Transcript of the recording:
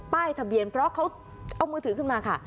ทะเบียนเพราะเขาเอามือถือขึ้นมาค่ะ